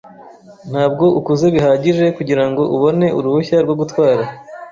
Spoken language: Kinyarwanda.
Ntabwo ukuze bihagije kugirango ubone uruhushya rwo gutwara.